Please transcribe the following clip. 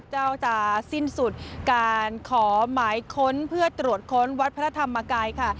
จะสิ้นสุดการขอหมายค้นเพื่อตรวจค้นวัดพระธรรมกายค่ะ